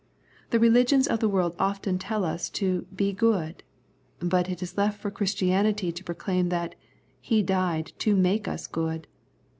The religions of the world often tell us to " Be good," but it is left for Christianity to pro claim that " He died to make us good.'